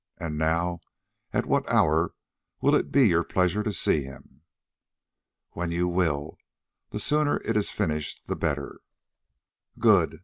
And now, at what hour will it be your pleasure to see him?" "When you will. The sooner it is finished the better." "Good.